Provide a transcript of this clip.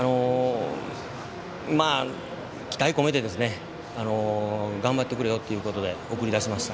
期待を込めて頑張ってくれよということで送り出しました。